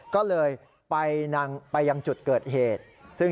ก็เลยไปยังจุดเกิดเหตุ